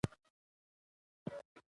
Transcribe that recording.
د چای تودوالی د زړه یخوالی ماتوي.